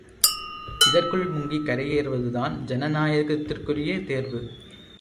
இதற்குள் முங்கிக் கரையேறுவதுதான் ஜனநாயகத்திற்குரிய தேர்வு!